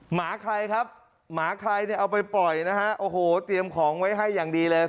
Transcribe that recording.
หมาใครครับหมาใครเนี่ยเอาไปปล่อยนะฮะโอ้โหเตรียมของไว้ให้อย่างดีเลย